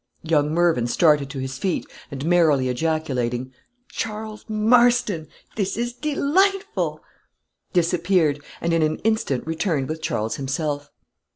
Young Mervyn started to his feet, and merrily ejaculating, "Charles Marston! this is delightful!" disappeared, and in an instant returned with Charles himself.